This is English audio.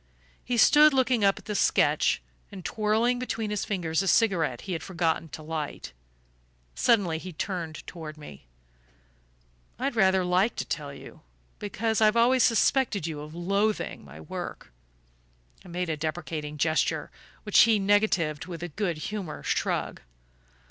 He stood looking up at the sketch, and twirling between his fingers a cigarette he had forgotten to light. Suddenly he turned toward me. "I'd rather like to tell you because I've always suspected you of loathing my work." I made a deprecating gesture, which he negatived with a good humoured shrug.